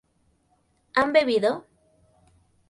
¿han bebido?